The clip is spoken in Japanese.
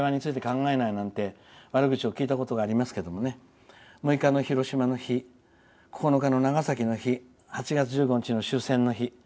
日本人は８月しか平和について考えないなんて悪口を聞いたことがありますが６日の広島の日、９日の長崎の日８月１５日の終戦の日。